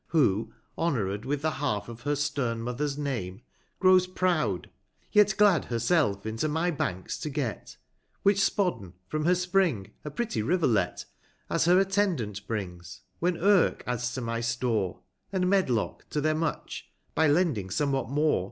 Who honourt^d with the half of her stern mother's name, 50 Grows proud ; yet glad herself into my banks to get, Which Spodden from her spring, a pretty Rivelet, As her attendant brings, Avhen hrlc adds to my store, And Medlork to tiieir much, by lending somewhat more.